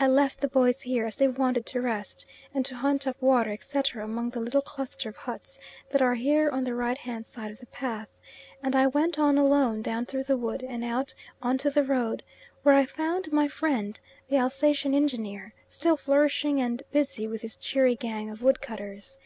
I left the boys here, as they wanted to rest, and to hunt up water, etc., among the little cluster of huts that are here on the right hand side of the path, and I went on alone down through the wood, and out on to the road, where I found my friend, the Alsatian engineer, still flourishing and busy with his cheery gang of woodcutters.